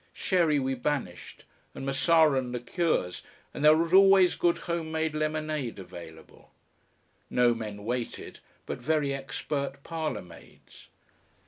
Sherry we banished, and Marsala and liqueurs, and there was always good home made lemonade available. No men waited, but very expert parlourmaids.